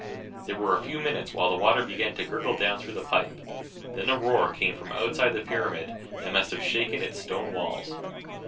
There were a few minutes while the water began to gurgle down through the dry pipe. Then a roar came from outside the pyramid that must have shaken its stone walls.